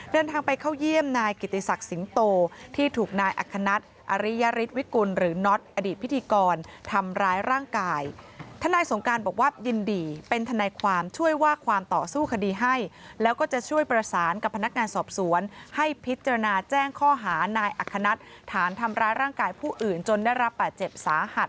ไปเข้าเยี่ยมนายกิติศักดิ์สิงโตที่ถูกนายอัคคณัฐอริยฤทธิวิกุลหรือน็อตอดีตพิธีกรทำร้ายร่างกายทนายสงการบอกว่ายินดีเป็นทนายความช่วยว่าความต่อสู้คดีให้แล้วก็จะช่วยประสานกับพนักงานสอบสวนให้พิจารณาแจ้งข้อหานายอัคคณัฐฐานทำร้ายร่างกายผู้อื่นจนได้รับบาดเจ็บสาหัส